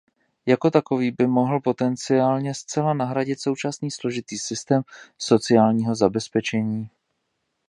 Jako takový by mohl potenciálně zcela nahradit současný složitý systém sociálního zabezpečení.